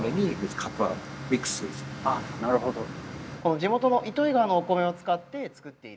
地元の糸魚川のお米を使って造っている。